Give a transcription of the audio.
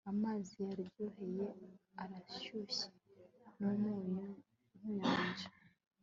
amazi naryoheye arashyushye numunyu, nkinyanja